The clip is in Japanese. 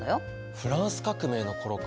フランス革命の頃か。